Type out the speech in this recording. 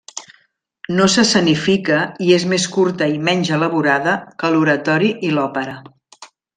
No s'escenifica i és més curta i menys elaborada que l'oratori i l'òpera.